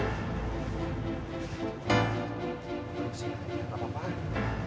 bapak maksudnya dia gak ada apa apaan